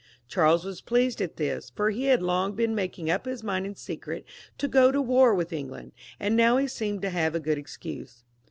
Charles was pleased at this, for he had long been making up his mind in secret to go to war with England, and now he seemed to have a good excuse.